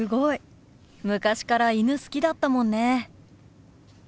昔から犬好きだったもんね。